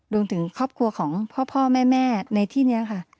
รวมถึงครอบครัวของพ่อแม่ในที่นี้ค่ะ